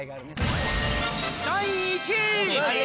第１位。